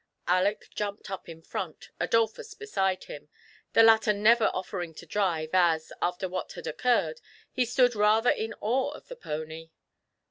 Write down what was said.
Aleck jumped up in front, Adolphus beside him — the latter never offering to drive, as, after what had occurred, he stood rather in awe of the pony.